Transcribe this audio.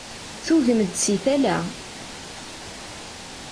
Tugem-d si tala.